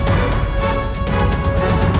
selamat tinggal puteraku